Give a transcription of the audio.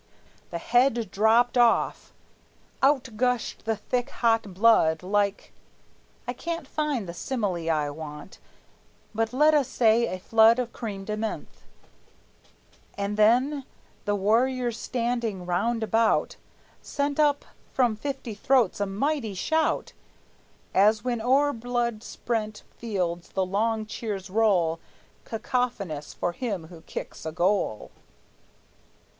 The head dropped off; out gushed the thick, hot blood Like I can't find the simile I want, But let us say a flood of crême de menthe! And then the warriors standing round about Sent up from fifty throats a mighty shout, As when o'er blood sprent fields the long cheers roll Cacophonous, for him who kicks a goal.